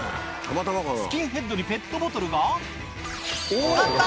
スキンヘッドにペットボトルが立った！